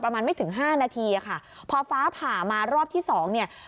ประมาณไม่ถึง๕นาทีพอฝ้าผ่ามารอบที่๒